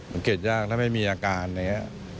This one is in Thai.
สังเกตยากถ้าไม่มีอาการอะไรอย่างนี้